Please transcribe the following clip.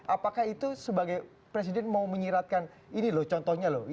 apakah itu sebagai presiden mau menyiratkan ini loh contohnya loh